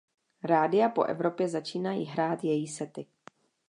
Rádia po Evropě začínají hrát její sety.